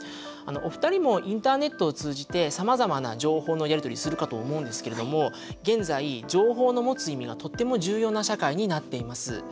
お二人もインターネットを通じてさまざまな情報のやり取りするかと思うんですけれども現在情報の持つ意味がとっても重要な社会になっています。